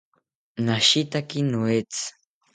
Nashetaki noetzi